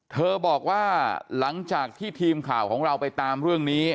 เธอบอกว่าหลังจากที่ทีมข่าวของเราไปตามเรื่องนี้